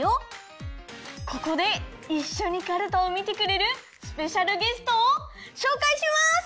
ここでいっしょにかるたをみてくれるスペシャルゲストをしょうかいします！